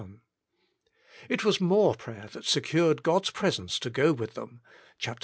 It was more prayer that secured God's presence to go with them (xxxiii.